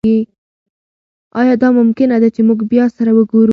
ایا دا ممکنه ده چې موږ بیا سره وګورو؟